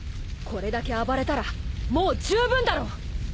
これだけ暴れたらもう十分だろ。